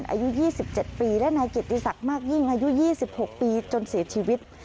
อายุ๒๗ปีและนายกิติศักดิ์มากยิ่งอายุ๒๖ปีจนเสียชีวิต